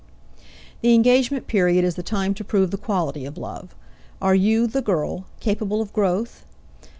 The engagement period is the time to prove the quality of love. Are you the girl capable of growth?